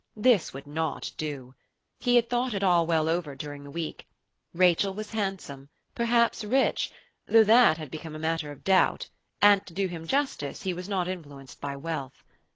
This would not do. He had thought it all well over during the week; Rachel was handsome, perhaps rich, though that had become a matter of doubt and to do him justice, he was not influenced by wealth.